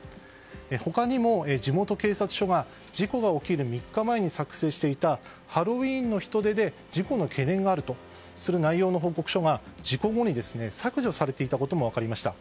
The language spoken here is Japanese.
他にも地元警察署が事故が起きる３日前に作成していたハロウィーンの人出で事故の懸念があるとする内容の報告書が事故後に削除されていたことも分かりました。